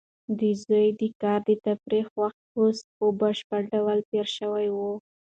د زوی د کار د تفریح وخت اوس په بشپړ ډول تېر شوی و.